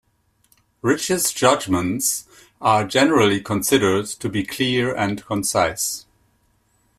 Rich's judgments are generally considered to be clear and concise.